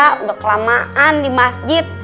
mereka udah kelamaan di masjid